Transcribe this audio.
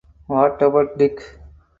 What About Dick?